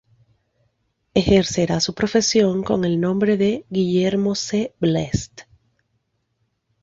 Ejercerá su profesión con el nombre de Guillermo C. Blest.